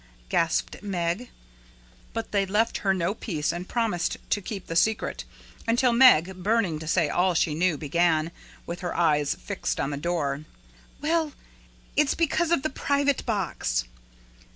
gasped Meg. But they left her no peace and promised to keep the secret, until Meg, burning to say all she knew, began, with her eyes fixed on the door: "Well, it's because of the private box."